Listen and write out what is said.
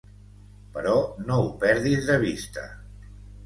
Però no ho perdis de vista.